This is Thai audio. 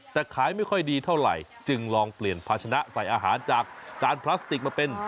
แต่ขายไม่ค่อยดีเท่าไหร่จึงลองเปลี่ยนภาชนะใส่อาหารจากจานพลาสติกมาเป็น